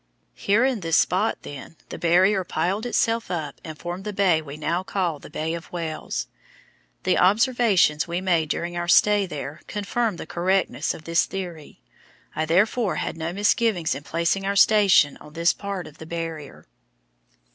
Here in this spot, then, the Barrier piled itself up and formed the bay we now call the Bay of Whales. The observations we made during our stay there confirm the correctness of this theory. I therefore had no misgivings in placing our station on this part of the Barrier.